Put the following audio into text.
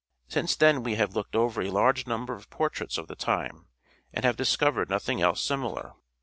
Since then we have looked over a large number of portraits of the time, and have discovered nothing else similar.